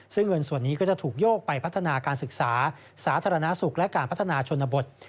ซึ่งเงินส่วนนี้ก็จะถูกโยกไปพัฒนาการศึกษาสาธารณสุขและการพัฒนาชนบท